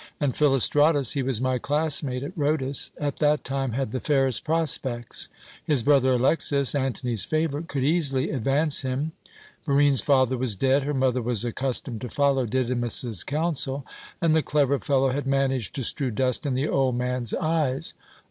And Philostratus he was my classmate at Rhodus at that time had the fairest prospects. His brother Alexas, Antony's favourite, could easily advance him. Barine's father was dead, her mother was accustomed to follow Didymus's counsel, and the clever fellow had managed to strew dust in the old man's eyes.